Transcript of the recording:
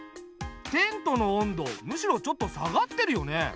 テントの温度むしろちょっと下がってるよね。